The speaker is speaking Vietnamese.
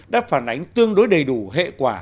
đã phản ánh tương đối đầy đủ hệ quả